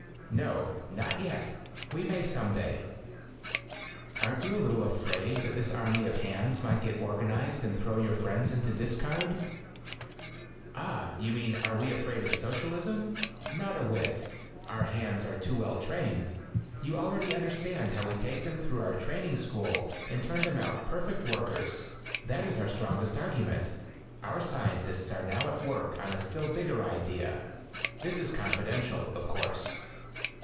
"No, not yet. We may some day." "Aren't you a little afraid that this army of hands might get organized and throw your friends into the dis card ?" "Ah, you mean: Are we afraid of Socialism? Not a whit. Our hands are too well trained. You already 10 understand how we take them through our training school and turn them out perfect workers. That is our strong est argument. Our scientists are now at work on a still bigger idea. This is confidential, of course."